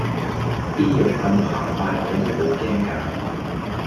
啲肉咁澎湃我都好驚㗎